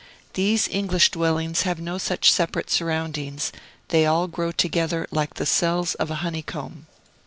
These English dwellings have no such separate surroundings; they all grow together, like the cells of a honeycomb.